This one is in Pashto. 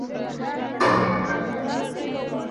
څه چي کرې هغه به رېبې.